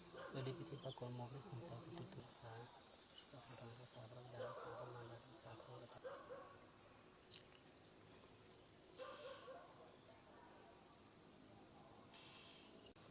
เวียนหัวไม่มาหรอกลูกไม่ขึ้น